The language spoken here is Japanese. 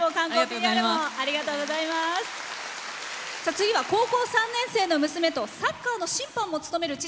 次は高校３年生の娘とサッカーの審判も務める父。